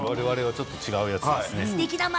ちょっと違うやつですね。